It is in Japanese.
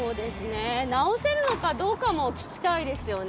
治せるかどうかも聞きたいですよね。